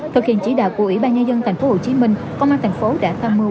thực hiện chỉ đạo của ủy ban nhân dân tp hcm công an thành phố đã tham mưu